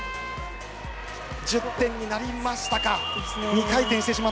１０点になりましたか。